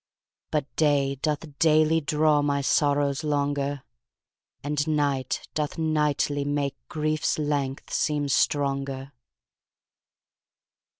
But day doth daily draw my sorrows longer, And night doth nightly make grief's length seem stronger.